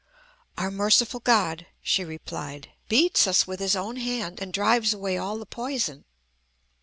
"Our merciful God," she replied, "beats us with His own hand, and drives away all the poison.